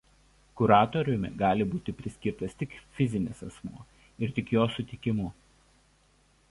Kuratoriumi gali būti paskirtas tik fizinis asmuo ir tik jo sutikimu.